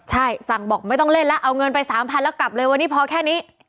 ใช่สั่งบอกไม่ต้องเล่นแล้วเอาเงินไป๓๐๐แล้วกลับเลยวันนี้พอแค่นี้